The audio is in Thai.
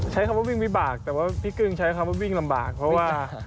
ใช้คำว่าวิ่งวิบากแต่ว่าพี่กึ้งใช้คำว่าวิ่งลำบากเพราะว่า